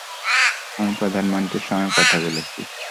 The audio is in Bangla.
আমি প্রধানমন্ত্রীর সঙ্গে কথা বলেছি।